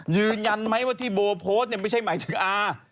ยืนยันไหมว่าที่โบโพสต์เนี่ยไม่ใช่หมายถึงอา